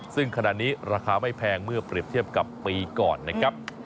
ซึ่งขณะนี้ราคาไม่แพงเมื่อเปรียบเทียบกับปีก่อนนะครับ